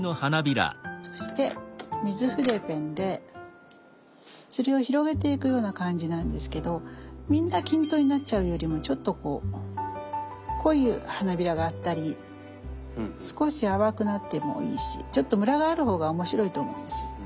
そして水筆ペンでそれを広げていくような感じなんですけどみんな均等になっちゃうよりもちょっとこう濃い花びらがあったり少し淡くなってもいいしちょっとムラがある方が面白いと思います。